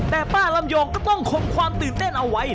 แต่ป้าลำยองก็ต้องคงความตื่นเต้นเอาไว้